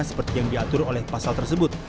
seperti yang diatur oleh pasal tersebut